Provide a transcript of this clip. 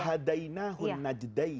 kan di quran